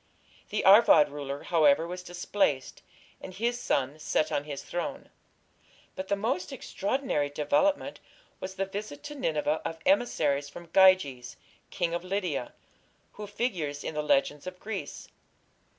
The Arvad ruler, however, was displaced, and his son set on his throne. But the most extraordinary development was the visit to Nineveh of emissaries from Gyges, king of Lydia, who figures in the legends of Greece.